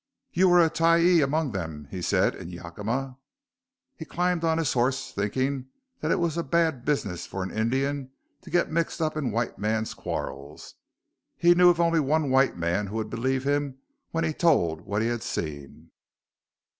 "You were a tyee among them," he said in Yakima. He climbed on his horse thinking that it was a bad business for an Indian to get mixed up in white men's quarrels. He knew of only one white man who would believe him when he told what he had seen.